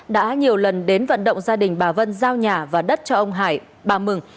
đã nhiều lần đến vận động gia đình bà vân giao nhà và đất cho ông hải bà mừng